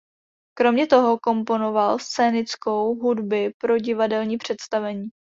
Kromě toho komponoval scénickou hudby pro divadelní představení.